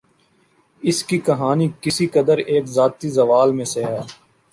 اس کی کہانی کسی قدر ایک ذاتی زوال میں سے ہے